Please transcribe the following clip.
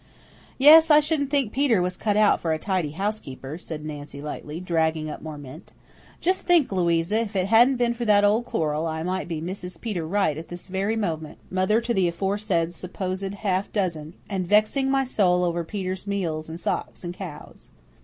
"Yes, I shouldn't think Peter was cut out for a tidy housekeeper," said Nancy lightly, dragging up more mint. "Just think, Louisa, if it hadn't been for that old quarrel I might be Mrs. Peter Wright at this very moment, mother to the aforesaid supposed half dozen, and vexing my soul over Peter's meals and socks and cows."